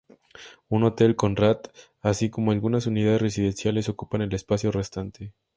Un Hotel Conrad, así como algunas unidades residenciales ocupan el espacio restante.